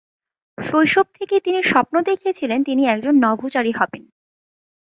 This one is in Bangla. শৈশব থেকেই তিনি স্বপ্ন দেখেছিলেন তিনি একজন নভোচারী হবেন।